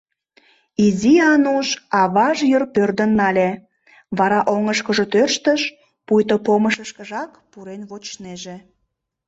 — Изи Ануш аваж йыр пӧрдын нале, вара оҥышкыжо тӧрштыш, пуйто помышышкыжак пурен вочнеже.